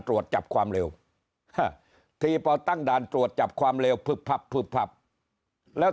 ตรวจจับความเร็วทีพอตั้งด่านตรวจจับความเร็วพึบพับพึบพับแล้ว